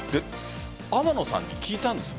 天野さんに聞いたんです。